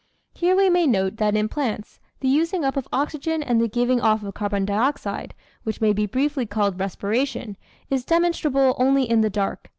Here we may note that in plants the using up of oxygen and the giving off of carbon dioxide, which may be briefly called respiration, is demonstrable only in the dark.